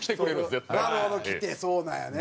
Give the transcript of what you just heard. なるほど！来てそうなんやね。